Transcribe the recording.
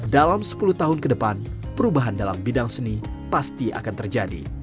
dalam sepuluh tahun ke depan perubahan dalam bidang seni pasti akan terjadi